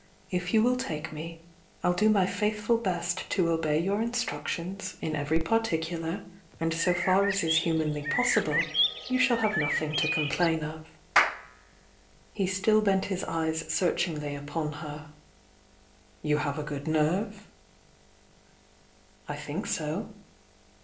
If you will take me, I'll do my faithful best to obey your instructions in every particular, and so far as IS humanly possible, you shall have nothing to com plain of." He still bent h. oyes searchingly upon her. "You have a good nerve?" "I think so."